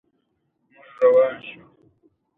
جولیس رینارډ وایي د جنت یوه ټوټه په ځمکه شته.